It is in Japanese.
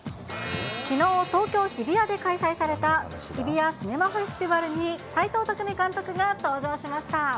きのう、東京・日比谷で開催されたヒビヤシネマフェスティバルに齊藤工監督が登場しました。